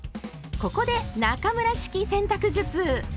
ここで中村式洗濯術！